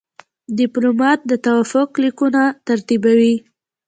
ډيپلومات د توافق لیکونه ترتیبوي.